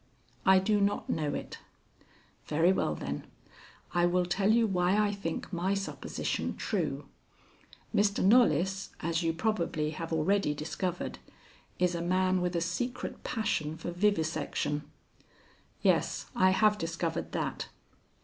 "I do not know it." "Very well, then, I will tell you why I think my supposition true. Mr. Knollys, as you probably have already discovered, is a man with a secret passion for vivisection." "Yes, I have discovered that."